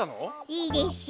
いいでしょ